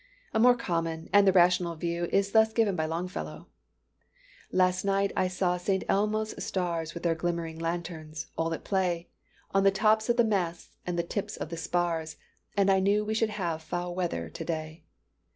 A more common, and the rational view, is thus given by Longfellow: "Last night I saw St. Elmo's stars With their glimmering lanterns, all at play, On the tops of the masts, and the tips of the spars, And I knew we should have foul weather to day.